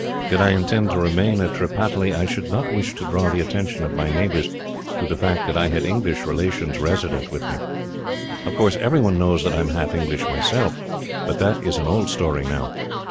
Did I intend to remain at Tripataly, I should not wish to draw the attention of my neighbours to the fact that I had English relations resident with me. Of course, every one knows that I am half English myself, but that is an old story now.